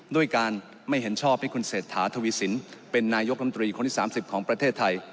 ด้วยการไม่เห็นชอบให้คุณเศรษฐาทวีสินเป็นนายกรรมตรีคนที่๓๐ของประเทศไทย